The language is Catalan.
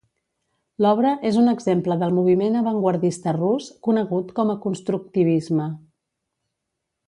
L'obra és un exemple del moviment avantguardista rus conegut com a constructivisme.